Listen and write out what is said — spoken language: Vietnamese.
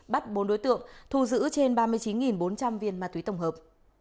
bắt bốn đối tượng thu giữ trên ba mươi chín bốn trăm linh viên ma túy tổng hợp